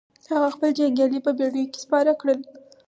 هغه خپل جنګيالي په بېړيو کې سپاره کړل.